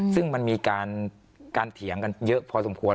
ซึ่งมันมีการเถียงกันเยอะพอสมควร